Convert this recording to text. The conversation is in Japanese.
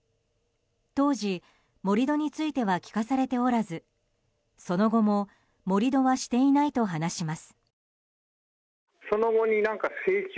当時、盛り土については聞かされておらずその後も盛り土はしていないと話します。